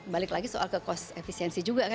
balik lagi soal kekos efisiensi juga